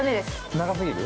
◆長すぎる？